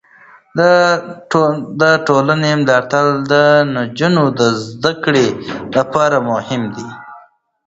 د ټولنې ملاتړ د نجونو د زده کړې لپاره مهم دی.